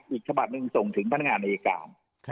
อีกฉบับหนึ่งทรงไปถึงพนักงานมีกรรม